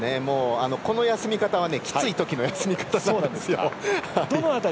この休み方はきついときの休み方なんですよ。